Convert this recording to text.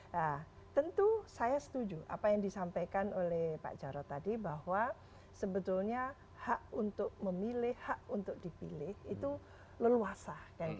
nah tentu saya setuju apa yang disampaikan oleh pak jarod tadi bahwa sebetulnya hak untuk memilih hak untuk dipilih itu leluasa